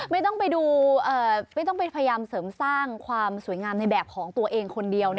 ไม่ต้องไปพยายามเสริมสร้างความสวยงามในแบบของตัวเองคนเดียว